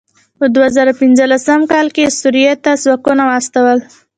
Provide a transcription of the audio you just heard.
په دوه زره پنځلسم کال کې یې سوريې ته ځواکونه واستول.